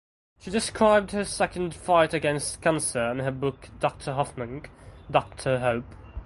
She described her second fight against cancer in her book Doctor Hoffnung ("Doctor Hope").